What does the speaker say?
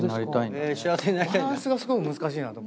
バランスがすごい難しいなと。